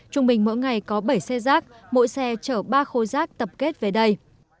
trung bình mỗi ngày có bảy xe rác mỗi xe chở ba khối rác tập kết về đây